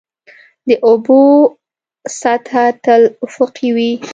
د اوبو سطحه تل افقي وي.